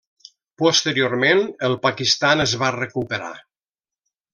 Posteriorment el Pakistan es va recuperar.